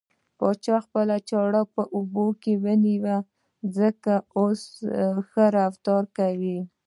پاچا خپله چاړه په اوبو کې وينې ځکه اوس ښه رفتار کوي .